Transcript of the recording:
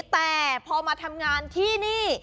แต่พอมาทำงานที่นี่